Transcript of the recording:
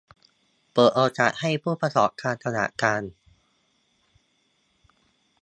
เปิดโอกาสให้ผู้ประกอบการขนาดกลาง